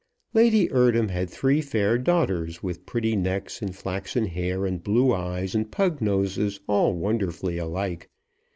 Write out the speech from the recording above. Lady Eardham had three fair daughters, with pretty necks, and flaxen hair, and blue eyes, and pug noses, all wonderfully alike.